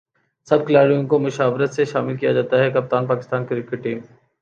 سب کھلاڑیوں کومشاورت سےشامل کیاجاتاہےکپتان پاکستان کرکٹ ٹیم